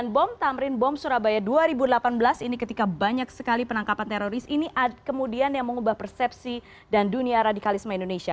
bom tamrin bom surabaya dua ribu delapan belas ini ketika banyak sekali penangkapan teroris ini kemudian yang mengubah persepsi dan dunia radikalisme indonesia